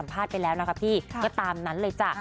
พลาดไปแล้วนะคะพี่ก็ตามนั้นเลยจ้ะ